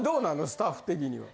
スタッフ的には。